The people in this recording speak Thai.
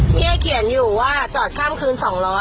เฮียเขียนอยู่ว่าจอดข้ามคืน๒๐๐